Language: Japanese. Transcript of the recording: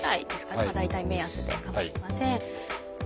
大体目安でかまいません。